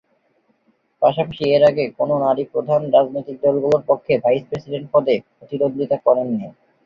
পাশাপাশি এর আগে কোন নারী প্রধান রাজনৈতিক দলগুলোর পক্ষে ভাইস-প্রেসিডেন্ট পদে প্রতিদ্বন্দ্বিতা করেনি।